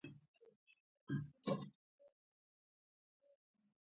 چرګان د خپلو ملګرو سره مرسته کوي.